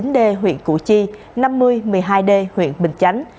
năm mươi chín d huyện củ chi năm mươi một mươi hai d huyện bình tân